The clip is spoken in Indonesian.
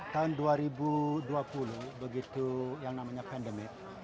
tahun dua ribu dua puluh begitu yang namanya pandemi